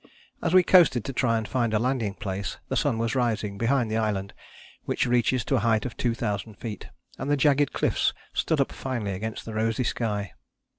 As we coasted to try and find a landing place the sun was rising behind the island, which reaches to a height of two thousand feet, and the jagged cliffs stood up finely against the rosy sky.